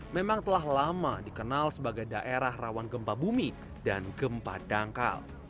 memang telah lama dikenal sebagai daerah rawan gempa bumi dan gempa dangkal